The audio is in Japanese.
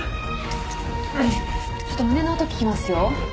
ちょっと胸の音聞きますよ。